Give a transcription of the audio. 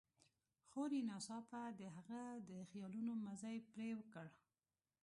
خور يې ناڅاپه د هغه د خيالونو مزی پرې کړ.